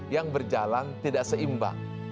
yang berjalan tidak seimbang